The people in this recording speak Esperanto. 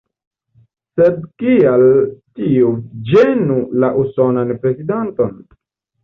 Sed kial tio ĝenu la usonan prezidanton?